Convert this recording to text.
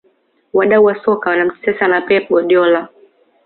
wadau wa soka wanamtetea sana pep guardiola